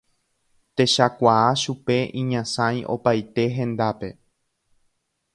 Techakuaa chupe iñasãi opaite hendápe.